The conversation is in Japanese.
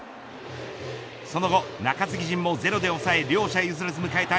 その後、中継ぎ陣もゼロで抑え両者譲らず迎えた